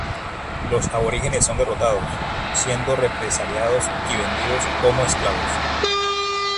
Los aborígenes son derrotados, siendo represaliados y vendidos como esclavos.